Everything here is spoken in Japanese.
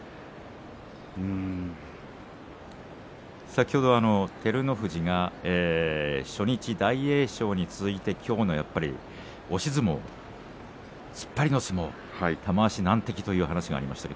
先ほど照ノ富士が初日、大栄翔に続いてきょうの押し相撲突っ張りの相撲玉鷲難敵という相撲がありました。